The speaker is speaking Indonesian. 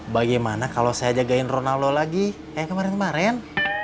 bagaimana kalau saya jagain ronaldo lagi kayak kemarin kemarin